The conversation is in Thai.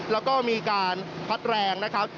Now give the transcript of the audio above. แล้วก็มีการพัดแรงนะครับ